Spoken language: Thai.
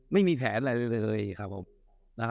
ไม่มีแผนอะไรเลยครับผมนะฮะ